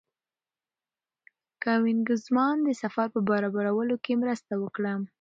کوېنیګزمان د سفر په برابرولو کې مرسته وکړه.